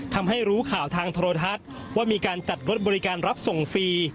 ทำให้รู้ข่าวทางโทรทัศน์ว่ามีการจัดรถบริการรับส่งฟรี